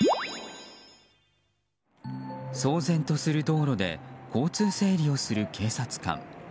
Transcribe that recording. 騒然とする道路で交通整理をする警察官。